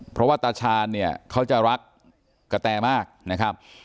เพราะว่าตาชาญเนี่ยเขาจะรักกะแตมากนะครับ